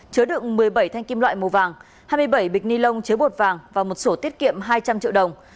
chứa đựng một mươi bảy thanh kim loại màu vàng hai mươi bảy bịch ni lông chứa bột vàng và một sổ tiết kiệm hai trăm linh triệu đồng